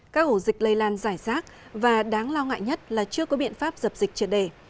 các ổ dịch lây lan giải rác và đáng lo ngại nhất là chưa có biện pháp dập dịch trở đề